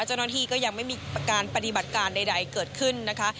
เจ้าหน้าที่ก็ยังไม่มีการปฏิบัติการใดเกิดขึ้นนะคะ